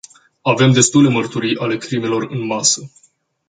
Avem destule mărturii ale crimelor în masă.